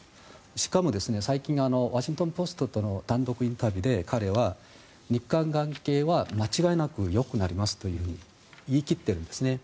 しかも最近ワシントン・ポストの単独インタビューで彼は、日韓関係は間違いなくよくなりますというふうに言い切ってるんですね。